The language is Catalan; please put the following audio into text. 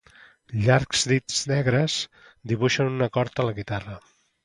Llargs dits negres dibuixen un acord a la guitarra.